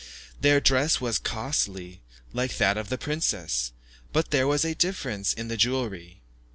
Their dress was costly, like that of the princess, but there was a difference in the jewellery.